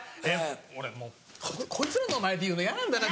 俺もうこいつらの前で言うの嫌なんだよな